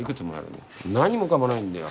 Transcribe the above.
何もかもないんだよ。